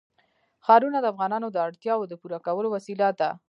ښارونه د افغانانو د اړتیاوو د پوره کولو وسیله ده.